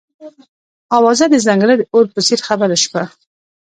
اوازه د ځنګله د اور په څېر خپره شوه.